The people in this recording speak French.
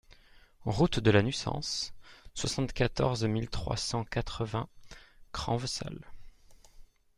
Route de la Nussance, soixante-quatorze mille trois cent quatre-vingts Cranves-Sales